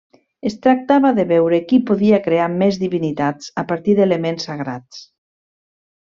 Es tractava de veure qui podia crear més divinitats a partir d'elements sagrats.